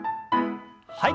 はい。